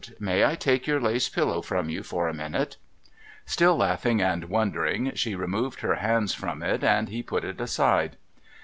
May I take your lace pillow from you for a minute ?' Still laughing and wondering, she removed her hands from it, and he put it aside.